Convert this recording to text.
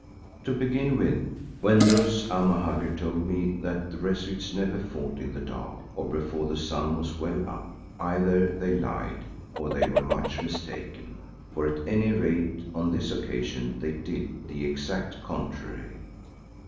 To begin with, when those Amahagger told me that the Rezuites never fought in the dark or before the sun was well up, either they lied or they were much mistaken, for at any rate on this occasion they did the exact contrary.